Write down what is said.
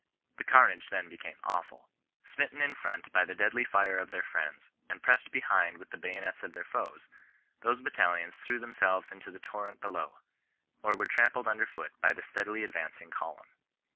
The carnage then became awfuL Smitten in front by the deadly fire of their friends, and pressed behind wiUi the bayonets of their foes, those battalions threw themselves into the torrent below, or were tram pled under foot by the steadily advancing column.